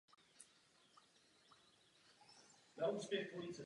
Jedinou výjimkou jsou cestovní náklady členů Rady.